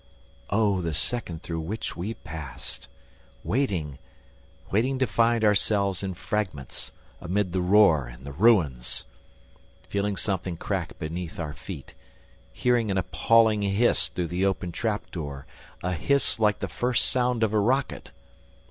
Oh, the second through which we passed! Waiting! Waiting to find ourselves in fragments, amid the roar and the ruins! Feeling something crack beneath our feet, hearing an appalling hiss through the open trap door, a hiss like the first sound of a rocket!